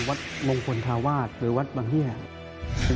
หลงพลธาวาสหรือวัฒน์บังเฮียเป็นที่เต่นที่ตาแฟเวด